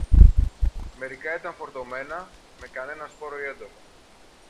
Μερικά ήταν φορτωμένα με κανένα σπόρο ή έντομο